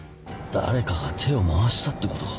誰かが手を回したってことか。